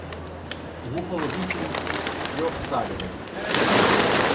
Гупало вісім трьохцалівок.